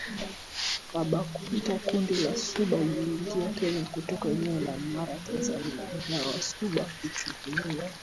Abakunta Kundi la Suba liliingia Kenya kutoka eneo la Mara Tanzania Ingawa Wasuba huchukuliwa